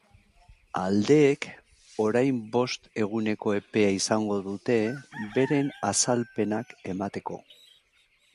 Aldeek orain bost eguneko epea izango dute beren azalpenak emateko.